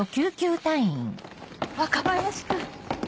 若林君！